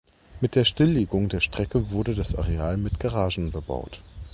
Mit der Stilllegung der Strecke wurde das Areal mit Garagen bebaut.